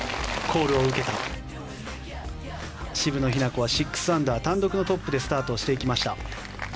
コールを受けた渋野日向子は６アンダー、単独トップでスタートをしていきました。